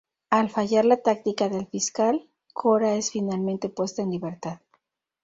Al fallar la táctica del fiscal Cora es finalmente puesta en libertad.